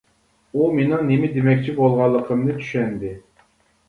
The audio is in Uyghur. ئۇ مېنىڭ نېمە دېمەكچى بولغانلىقىمنى چۈشەندى.